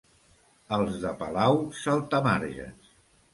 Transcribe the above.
Els de Palau, saltamarges.